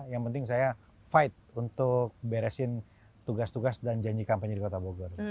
yang penting saya fight untuk beresin tugas tugas dan janji kampanye di kota bogor